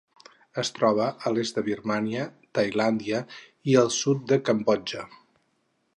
Es troba a l'est de Birmània, Tailàndia i el sud de Cambodja.